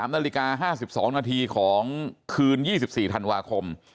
๓นาฬิกา๕๒นาทีของคืน๒๔ธันวาคม